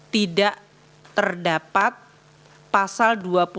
tidak terdapat pasal dua puluh delapan